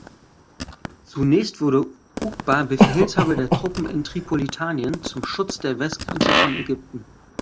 Zunächst wurde ʿUqba Befehlshaber der Truppen in Tripolitanien zum Schutz der Westgrenze von Ägypten.